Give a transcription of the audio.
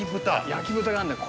焼き豚があるんだよ